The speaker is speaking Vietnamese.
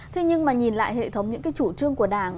thế nhưng mà nhìn lại hệ thống những cái chủ trương của đảng